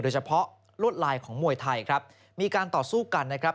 เฉพาะลวดลายของมวยไทยครับมีการต่อสู้กันนะครับ